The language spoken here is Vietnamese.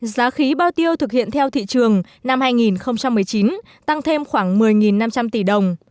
giá khí bao tiêu thực hiện theo thị trường năm hai nghìn một mươi chín tăng thêm khoảng một mươi năm trăm linh tỷ đồng